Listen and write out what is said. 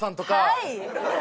はい！